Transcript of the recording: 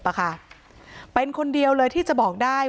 เป็นคนเดียวเลยที่จะบอกได้